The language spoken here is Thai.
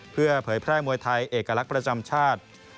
เพื่อเผยแพร่มวยไทยเอกลักษณ์ประจำชาติ